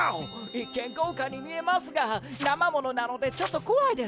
一見豪華に見えますが生ものなのでちょっと怖いですね。